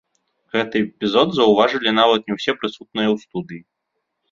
Гэты эпізод заўважылі нават не ўсе прысутныя ў студыі.